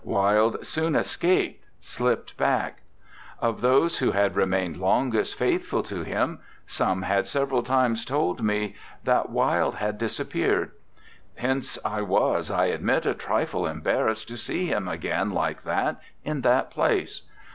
Wilde soon escaped, slipped back. Of those who 63 RECOLLECTIONS OP OSCAR WILDE had remained longest faithful to him, some had several times told me that Wilde had disappeared. Hence I was, I admit, a trifle embarrassed to see him again like that, in that place.